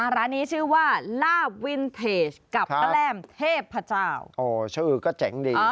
ร้านนี้ชื่อว่าลาบวินเพจกับแกล้มเทพเจ้าชื่อก็เจ๋งดี